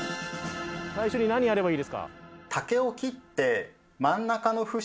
最初に何やればいいですか？